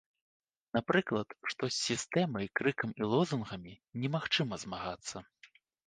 Напрыклад, што з сістэмай крыкам і лозунгамі немагчыма змагацца.